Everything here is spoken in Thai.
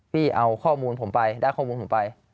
พี่เอาข้อมูลผมไปได้ข้อมูลผมไป